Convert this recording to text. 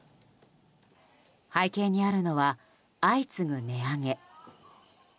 背景にあるのは、相次ぐ値上げ。